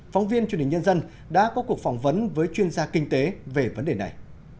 phóng viên truyền hình nhân dân đã có cuộc phỏng vấn với chuyên gia kinh tế về vấn đề này